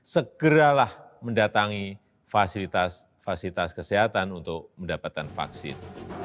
segeralah mendatangi fasilitas fasilitas kesehatan untuk mendapatkan vaksin